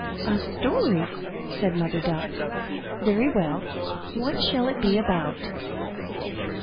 "A story?" said Mother Duck. "Very well. What shall it be about?"